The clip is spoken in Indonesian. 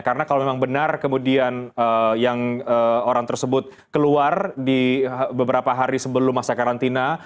karena kalau memang benar kemudian yang orang tersebut keluar di beberapa hari sebelum masa karantina